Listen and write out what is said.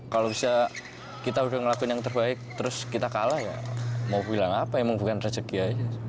kalau bisa kita udah ngelakuin yang terbaik terus kita kalah ya mau bilang apa emang bukan rezeki aja